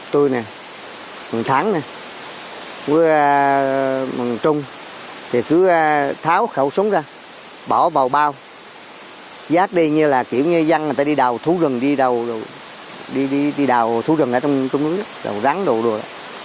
tôi nè thằng thắng nè thằng trung thì cứ tháo khẩu súng ra bỏ vào bao giác đi như là kiểu như dân người ta đi đào thú rừng đi đâu đi đào thú rừng ở trong núi rắn đồ đùa